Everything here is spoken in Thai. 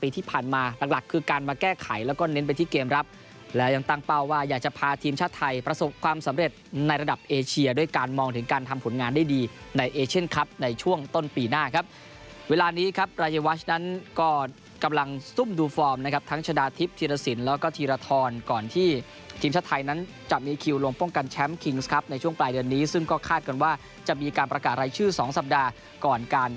ที่ผ่านมาหลักคือการมาแก้ไขแล้วก็เน้นไปที่เกมรับและยังตั้งเป้าว่าอยากจะพาทีมชาติไทยประสบความสำเร็จในระดับเอเชียด้วยการมองถึงการทำผลงานได้ดีในเอเชนครับในช่วงต้นปีหน้าครับเวลานี้ครับรายวัฒน์นั้นก็กำลังซุ่มดูฟอร์มนะครับทั้งชดาทิพย์ธีรศิลป์แล้วก็ธีรธรร